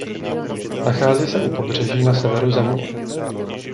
Nachází se u pobřeží na severu země.